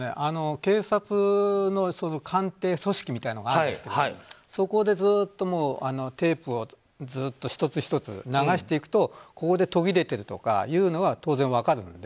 警察の鑑定組織みたいなのがあるんですがそこでずっとテープを１つ１つ流していくとここで途切れてるとかいうのは当然、分かるので。